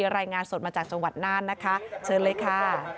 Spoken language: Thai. รายงานสดมาจากจังหวัดน่านนะคะเชิญเลยค่ะ